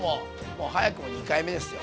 もう早くも２回目ですよ。